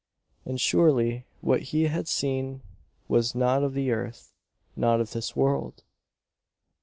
And surely what he had seen was not of the earth not of this world!